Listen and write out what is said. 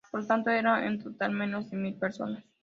Por lo tanto eran en total menos de mil personas.